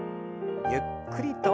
ゆっくりと。